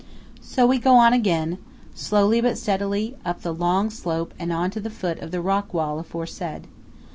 So we go on again, slowly but steadily, up the long slope and on to the foot of the rock wall aforesaid.